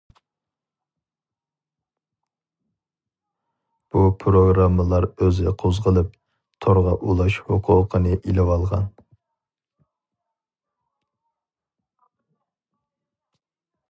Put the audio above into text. بۇ پىروگراممىلار ئۆزى قوزغىلىپ، تورغا ئۇلاش ھوقۇقىنى ئېلىۋالغان.